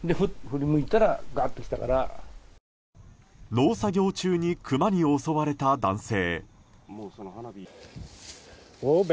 農作業中にクマに襲われた男性。